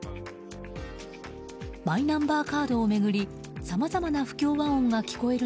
マイナンバーカードを巡りさまざまな不協和音が聞こえる